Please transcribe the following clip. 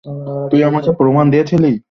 তুই আমাকে প্রমাণ দিয়েছিলি।